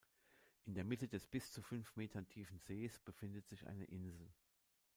In der Mitte des bis zu fünf Meter tiefen Sees befindet sich eine Insel.